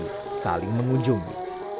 mereka saling mengunjungi